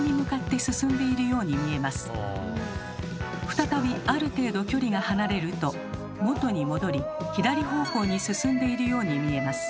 再びある程度距離が離れると元に戻り左方向に進んでいるように見えます。